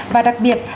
và đặc biệt